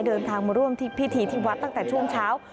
เดินทางมาร่วมพิธีที่วัดตั้งแต่ช่วงเช้า